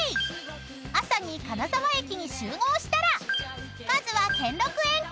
［朝に金沢駅に集合したらまずは兼六園観光］